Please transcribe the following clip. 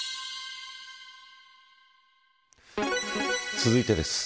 続いてです。